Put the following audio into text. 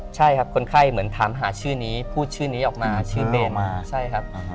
ใช่ครับคนไข้เหมือนถามหาชื่อนี้พูดชื่อนี้ออกมาชื่อเมย์มาใช่ครับ